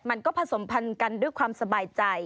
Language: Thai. มันก็ผสมพันธ์กันด้วยความสบายใจ